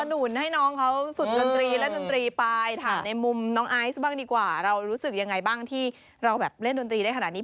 หนุนให้น้องเขาฝึกดนตรีเล่นดนตรีไปถามในมุมน้องไอซ์บ้างดีกว่าเรารู้สึกยังไงบ้างที่เราแบบเล่นดนตรีได้ขนาดนี้